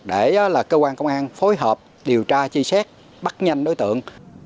để là cơ quan công an phối hợp điều tra chi xét bắt nhanh đối tượng